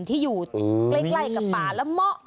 ที่อยู่ใกล้กับป่าละเมาะ